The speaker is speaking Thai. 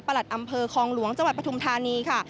ประหลัดอำเภอคองหลวงจปฐุมธานีค่ะ